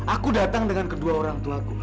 aku datang dengan kedua orang tuaku